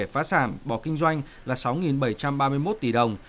phá sản bỏ kinh doanh là sáu bảy trăm ba mươi một tỷ đồng